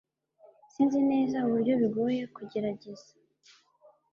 sinzi neza uburyo bigoye kugerageza